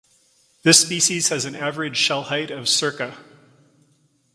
This species has an average shell height of ca.